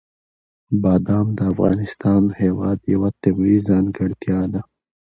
بادام د افغانستان هېواد یوه طبیعي ځانګړتیا ده.